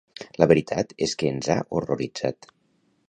La veritat és que ens ha horroritzat.